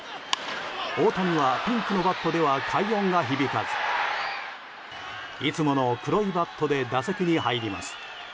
大谷はピンクのバットでは快音が響かずいつもの黒いバットで打席に入ります。